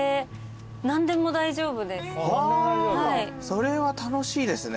それは楽しいですね